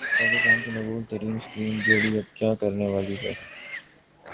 پاکستان کی مقبول ترین اسکرین جوڑی اب کیا کرنے والی ہے